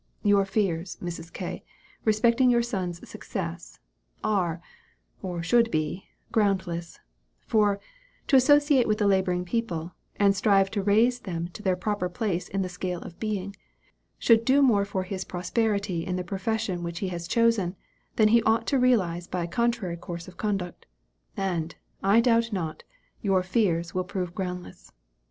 Your fears, Mrs. K., respecting your son's success, are, or should be, groundless; for, to associate with the laboring people, and strive to raise them to their proper place in the scale of being, should do more for his prosperity in the profession which he has chosen, than he ought to realize by a contrary course of conduct; and, I doubt not, your fears will prove groundless.